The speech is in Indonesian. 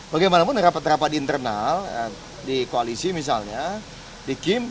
bagaimanapun rapat rapat internal di koalisi misalnya di kim